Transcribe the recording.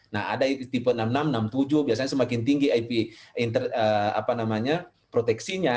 nah ada tipe enam puluh enam enam puluh tujuh biasanya semakin tinggi ip proteksinya